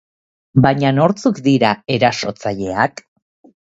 Baina nortzuk dira erasotzaileak?